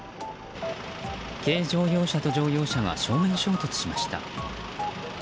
軽乗用車と乗用車が正面衝突しました。